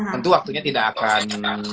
tentu waktunya tidak akan